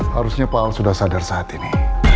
harusnya pak ahok sudah sadar saat ini